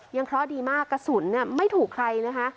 เคราะห์ดีมากกระสุนไม่ถูกใครนะคะ